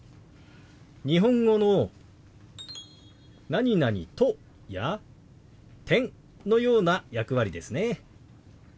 日本語の「と」や「、」のような役割ですね。